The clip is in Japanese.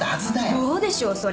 どうでしょうそれ。